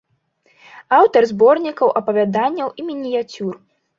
Аўтар зборнікаў апавяданняў і мініяцюр.